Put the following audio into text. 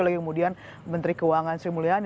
lalu kemudian menteri keuangan sri mulyani